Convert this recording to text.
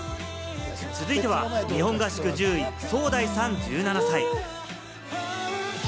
続いては日本合宿１０位・ソウダイさん、１７歳。